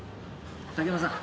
竹山さん。